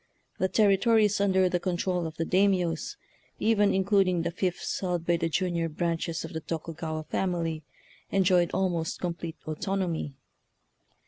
The territories under the control of the Daimiyos, even includ ing the fiefs held by the junior branches of the Tokugawa family, enjoyed almost complete autonomy.